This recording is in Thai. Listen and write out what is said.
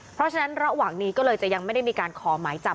เพราะฉะนั้นระหว่างนี้ก็เลยจะยังไม่ได้มีการขอหมายจับ